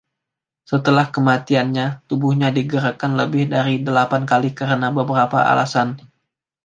Setelah kematiannya, tubuhnya digerakkan lebih dari delapan kali karena beberapa alasan.